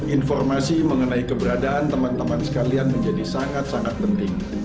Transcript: informasi mengenai keberadaan teman teman sekalian menjadi sangat sangat penting